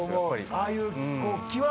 ああいう。